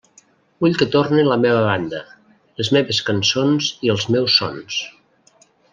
Vull que torni la meva banda, les meves cançons i els meus sons.